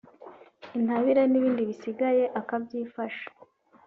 intabire n’ibindi bisigaye akabyifasha